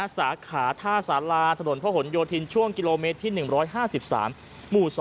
สาขาท่าสาราสถพยศจก๑๕๓หมู่๒